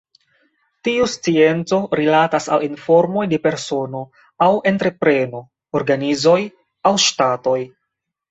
Tiu scienco rilatas al informoj de persono aŭ entrepreno, organizoj aŭ ŝtatoj.